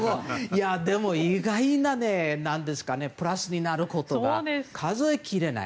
でも、意外なプラスになることが数えきれない。